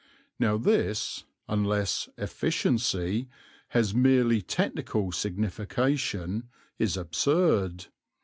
Now this, unless "efficiency" has merely technical signification, is absurd.